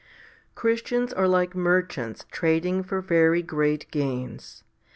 1. CHRISTIANS are like merchants trading for very great gains.